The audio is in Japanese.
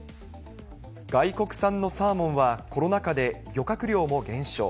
外国産のサーモンは、コロナ禍で漁獲量も減少。